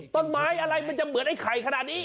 ต้นไม้อะไรมันจะเหมือนไอ้ไข่ขนาดนี้